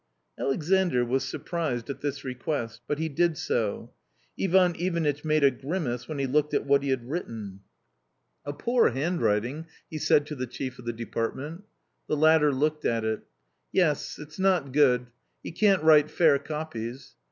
Alexandr was surprised at this request ; but he did so. Ivan Ivanitch made a grimace when he looked at what he had written. 60 A COMMON STORY " A poor handwriting," he said to the chief of the depart ment The latter looked at it. " Yes, it's not good ; he can't write fair copies.